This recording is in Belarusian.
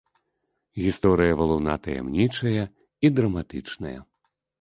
Гісторыя валуна таямнічая і драматычная.